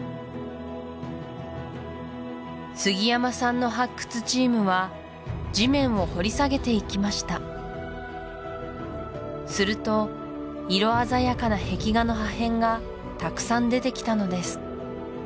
杉山さんの発掘チームは地面を掘り下げていきましたすると色鮮やかな壁画の破片がたくさん出てきたのです